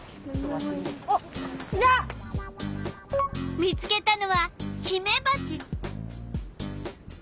見つけたのはヒメバチ。